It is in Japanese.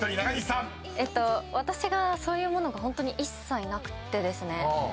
私がそういうものがホントに一切なくてですね。